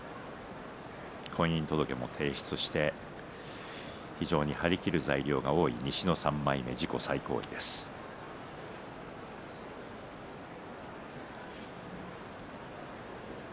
婚姻届を提出して非常に張り切る材料が多い西の３枚目、自己最高位の錦富士。